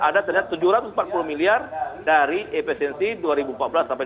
ada ternyata tujuh ratus empat puluh miliar dari efisiensi dua ribu empat belas sampai dua ribu dua puluh